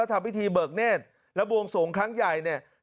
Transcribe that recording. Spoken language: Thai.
ทำพิธีเบิกเนธแล้วบวงสวงครั้งใหญ่เนี่ย